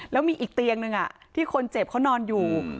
แล้วมีอีกเตียงหนึ่งที่คนเจ็บเขานอนอยู่